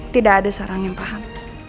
tidak ada seorang yang paham